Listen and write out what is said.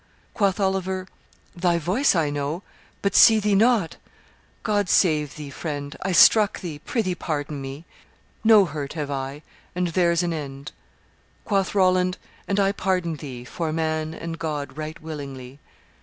Quoth Oliver, 'Thy voice I know, But see thee not; God save thee, friend: I struck thee; prithee pardon me. No hurt have I; and there's an end.' Quoth Roland, 'And I pardon thee 'Fore man and God right willingly.